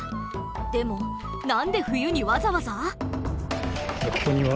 でも何で冬にわざわざ？